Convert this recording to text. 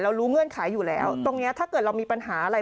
รู้เงื่อนไขอยู่แล้วตรงนี้ถ้าเกิดเรามีปัญหาอะไร